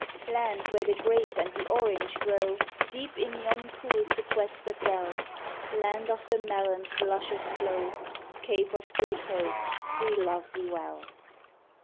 Land where the grape and the orange grow Deep in yon cool sequestered dell; Land of the melon's luscious flow, Cape of Good Hope, we love thee well.